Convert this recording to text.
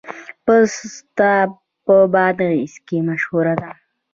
پسته په بادغیس کې مشهوره ده